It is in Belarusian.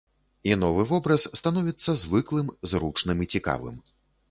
І новы вобраз становіцца звыклым, зручным і цікавым.